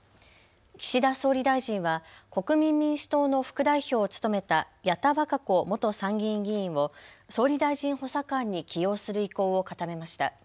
岸田総理大臣は国民民主党の副代表を務めた矢田稚子元参議院議員を総理大臣補佐官に起用する意向を固めました。